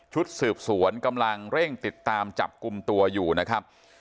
ชุดสืบสวนกำลังเร่งติดตามจับกลุ่มตัวอยู่นะครับ